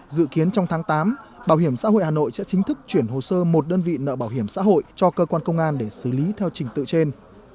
dự kiến trong tháng tám bảo hiểm xã hội hà nội sẽ chính thức chuyển hồ sơ một đơn vị nợ bảo hiểm xã hội cho cơ quan công an để xử lý theo trình tự trên